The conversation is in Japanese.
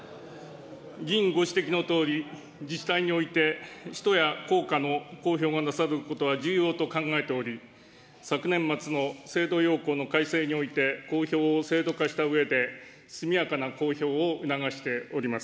議員ご指摘のとおり、自治体において使途や効果の公表がなされることは重要と考えており、昨年末の制度要綱の改正において公表を制度化したうえで、速やかな公表を促しております。